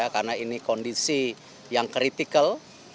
karena ini kondisi yang kritikal